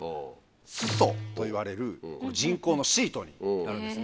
巣礎といわれる人工のシートになるんですね。